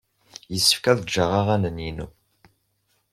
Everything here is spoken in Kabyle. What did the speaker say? Yessefk ad geɣ aɣanen-inu.